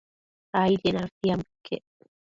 Aidien adotiambo iquec